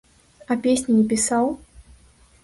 А песні не пісаў?